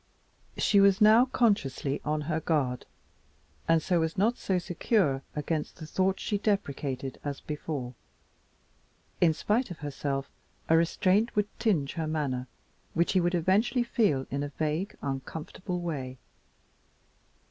She was now consciously on her guard, and so was not so secure against the thoughts she deprecated as before. In spite of herself, a restraint would tinge her manner which he would eventually feel in a vague, uncomfortable way.